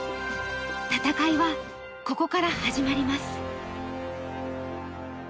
戦いは、ここから始まります。